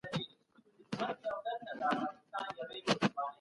هغه له افغانستانه ده.